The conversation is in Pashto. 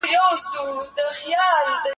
د علومو ترمنځ د جلاوالي ليکه ډېره باريکه ده.